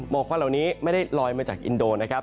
ควันเหล่านี้ไม่ได้ลอยมาจากอินโดนะครับ